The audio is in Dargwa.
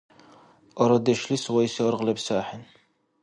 Арадешлис вайси аргъ лебси ахӏен